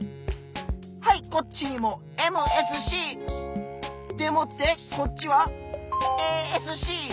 はいこっちにもＭＳＣ！でもってこっちはＡＳＣ！